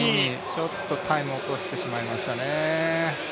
ちょっとタイム落としてしまいましたね。